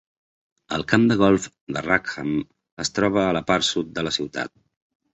El camp de golf de Rackham es troba a la part sud de la ciutat.